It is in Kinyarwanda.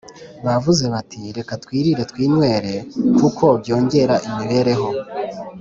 Bavuze bati Reka twirire twinywere kuko byongera imibereho.